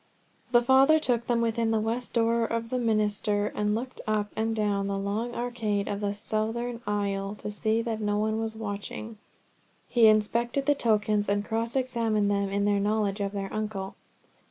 The Father took them within the west door of the Minster, and looking up and down the long arcade of the southern aisle to see that no one was watching, he inspected the tokens, and cross examined them on their knowledge of their uncle.